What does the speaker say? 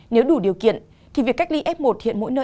nếu đủ điều kiện thì việc cách ly f một hiện mỗi nơi